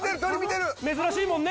珍しいもんね！